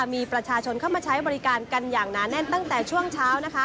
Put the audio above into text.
มีประชาชนเข้ามาใช้บริการกันอย่างหนาแน่นตั้งแต่ช่วงเช้า